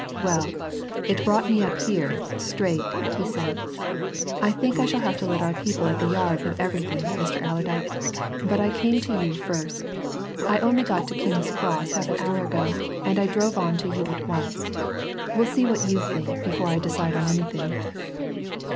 "Well, it brought me up here straight," he said. "I think I shall have to let our people at the yard know everything, Mr. Allerdyke. But I came to you first I only got to King's Cross half an hour ago, and I drove on to you at once. Well see what you think before I decide on anything."